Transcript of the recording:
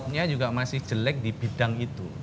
tapi itu juga tidak sebuah hal yang jelek di bidang itu